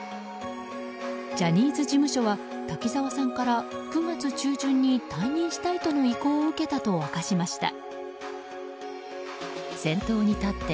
ジャニーズ事務所は滝沢さんから９月中旬に退任したいとの意向を受けたと明かしました。